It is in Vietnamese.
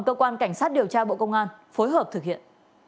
cơ quan cảnh sát điều tra bộ công an phối hợp thực hiện